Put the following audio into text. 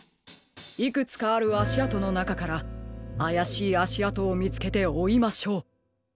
いくつかあるあしあとのなかからあやしいあしあとをみつけておいましょう。